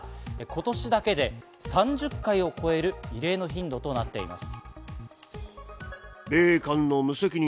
今年だけで３０回を超える異例の頻度となっています。